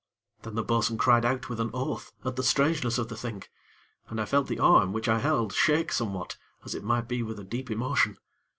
Then the bo'sun cried out with an oath, at the strangeness of the thing, and I felt the arm, which I held, shake somewhat, as it might be with a deep emotion.